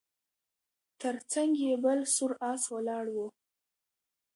تر څنګ یې بل سور آس ولاړ و